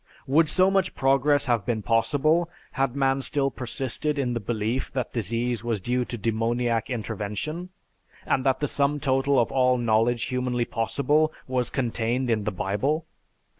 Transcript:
Would so much progress have been possible had man still persisted in the belief that disease was due to demoniac intervention, and that the sum total of all knowledge humanly possible was contained in the Bible?